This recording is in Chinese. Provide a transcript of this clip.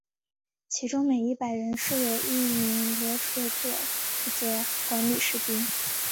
其中每一百人设有一名罗苴佐负责管理士兵。